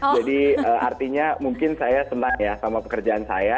jadi artinya mungkin saya sama pekerjaan saya